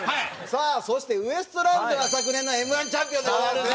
さあそしてウエストランドは昨年のＭ−１チャンピオンでございます。